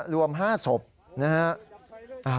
รวม๕ศพนะฮะ